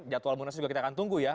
jadwal munas juga kita akan tunggu ya